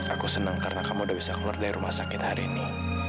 aku senang karena kamu udah bisa keluar dari rumah sakit hari ini